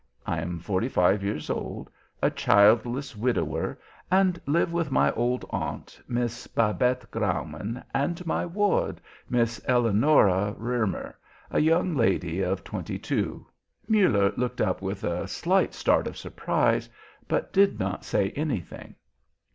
I am forty five years old, a childless widower, and live with my old aunt, Miss Babette Graumann, and my ward, Miss Eleonora Roemer, a young lady of twenty two." Muller looked up with a slight start of surprise, but did not say anything.